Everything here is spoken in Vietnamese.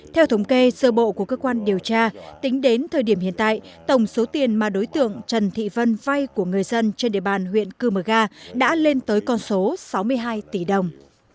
theo thống kê sơ bộ của cơ quan điều tra tính đến thời điểm hiện tại tổng số tiền mà đối tượng trần thị vân vay của người dân trên địa bàn huyện cư mờ ga đã lên tới con số sáu mươi hai tỷ đồng